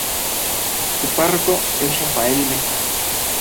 Su párroco es Rafael Mesa